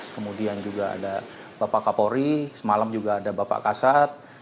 kemudian juga ada bapak kapolri semalam juga ada bapak kasat